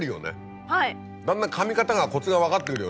だんだん噛み方がコツが分かってくるよね。